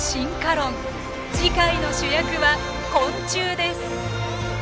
次回の主役は昆虫です。